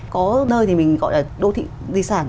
có nơi thì mình gọi là đô thị di sản